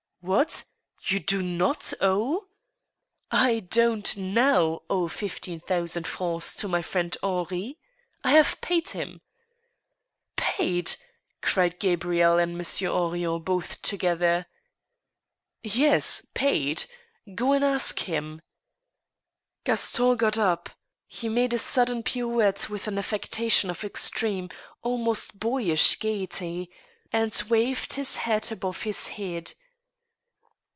" What ! you do not owe—? "" I don't now owe fifteen thousand francs to my friend Henri. I have paid him." " Paid I " cried Gabrielle and Monsieur Henrion both together. " Yes, paid. ... Go and ask him." Gaston got up. He made a sudden pirouette with an affectation of extreme, almost bo3rish, gayety, and waved his hat above his head.